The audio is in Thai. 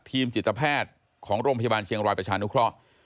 จิตแพทย์ของโรงพยาบาลเชียงรายประชานุเคราะห์